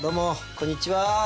こんにちは。